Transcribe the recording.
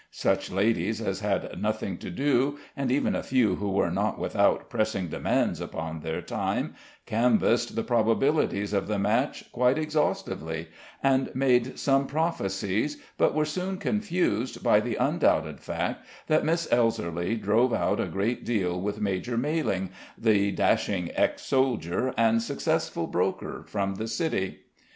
Such ladies as had nothing to do, and even a few who were not without pressing demands upon their time, canvassed the probabilities of the match quite exhaustively, and made some prophecies, but were soon confused by the undoubted fact that Miss Elserly drove out a great deal with Major Mailing, the dashing ex soldier, and successful broker from the city.